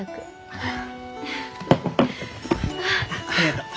ありがとう。